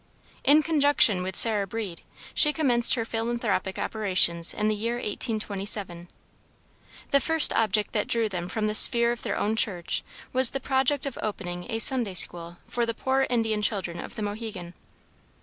In conjunction with Sarah Breed, she commenced her philanthropic operations in the year 1827. "The first object that drew them from the sphere of their own church was the project of opening a Sunday school for the poor Indian children of Mohegan.